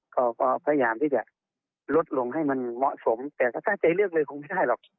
ก็พยายามที่จะลดลงให้มันเหมาะสมแต่ก็ถ้าใจเลือกเลยคงไม่ได้หรอก